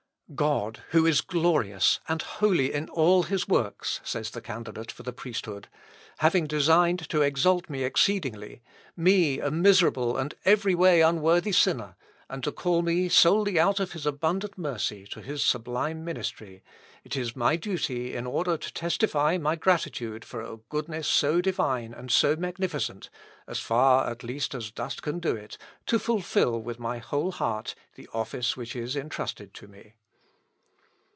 "God, who is glorious and holy in all his works," says the candidate for the priesthood, "having designed to exalt me exceedingly, me, a miserable and every way unworthy sinner, and to call me solely out of his abundant mercy, to his sublime ministry, it is my duty in order to testify my gratitude for a goodness so divine and so magnificent, (as far at least as dust can do it,) to fulfil with my whole heart the office which is entrusted to me."